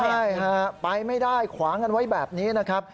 ใช่ฮะไปไม่ได้ขวางกันไว้แบบนี้นะครับ